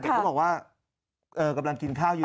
เขาบอกว่ากำลังกินข้าวอยู่